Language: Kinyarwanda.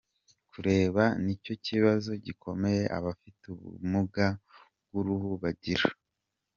Kureba ni cyo kibazo gikomeye abafite ubumuga bw’uruhu bagira.